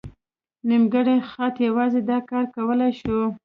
نیمګړی خط یوازې دا کار کولی شو.